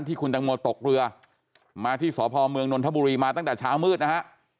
คุณตังโมตกเรือมาที่สพเมืองนนทบุรีมาตั้งแต่เช้ามืดนะฮะ